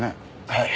はい。